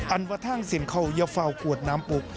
อันว่าทางเสียงเข้าอย่าเฝ้ากวดน้ำปลูก